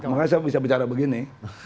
makanya saya bisa bicara begini